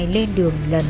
lên đường lần